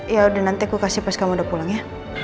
ya udah nanti aku kasih pas kamu udah pulang ya